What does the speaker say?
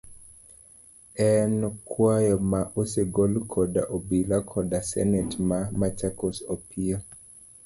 En kwayo ma osegol koda obila koda seneta ma Machakos Opiyo.